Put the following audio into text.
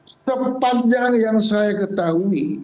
sepanjang yang saya ketahui